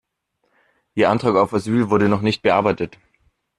Ihr Antrag auf Asyl wurde noch nicht bearbeitet.